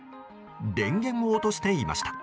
電源を落としていました。